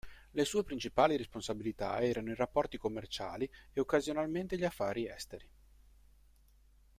Le sue principali responsabilità erano i rapporti commerciali e occasionalmente gli affari esteri.